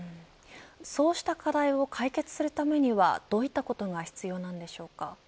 そうした課題を解決するためにはどういったことが必要なんでしょうか。